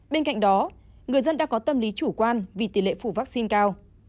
bên cạnh đó người dân đã có tâm lý chủ quan vì tỷ lệ phủ vaccine cao